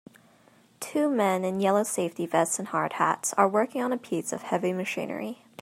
Two men in yellow safety vests and hard hats are working on a piece of heavy machinery.